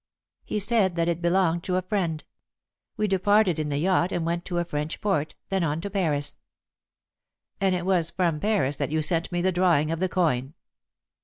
He said that it belonged to a friend. We departed in the yacht and went to a French port, then on to Paris." "And it was from Paris that you sent me the drawing of the coin."